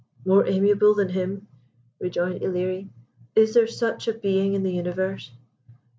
"More amiable than him!" rejoined Ilerie. "Is there such a being in the universe?